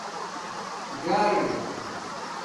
ژر